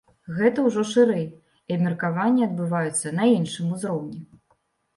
Гэта ўжо шырэй і абмеркаванні адбываюцца на іншым узроўні.